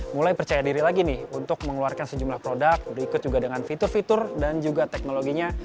mulai percaya diri lagi nih untuk mengeluarkan sejumlah produk berikut juga dengan fitur fitur dan juga teknologinya